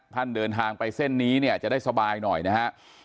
ท่านเดินทางไปเส้นนี้จะได้สบายหน่อยนะฮะ